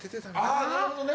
あぁなるほどね！